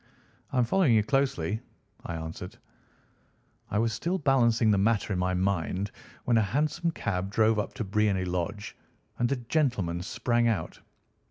"I am following you closely," I answered. "I was still balancing the matter in my mind when a hansom cab drove up to Briony Lodge, and a gentleman sprang out.